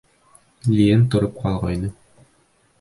Лиен тороп ҡалғайны.